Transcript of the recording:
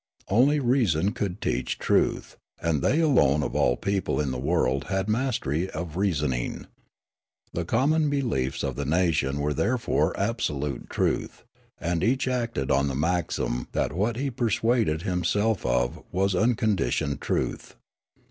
Only reason could teach truth ; and they alone of all people in the world had master}^ of reasoning. The common beliefs of the nation were therefore absolute truth ; and each acted on the maxim that what he persuaded him self of was unconditioned truth.